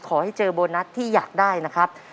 ขอให้เจอโบนัสที่อยากได้นะครับ